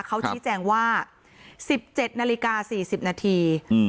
เขาชี้แจงว่าสิบเจ็ดนาฬิกาสี่สิบนาทีอืม